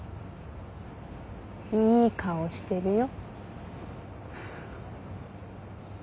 いい顔してるよ。